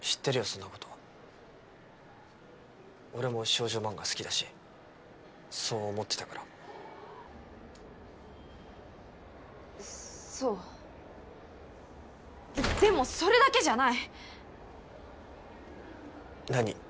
そんなこと俺も少女漫画好きだしそう思ってたからそうでもそれだけじゃない何？